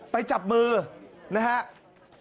จับมือนะครับ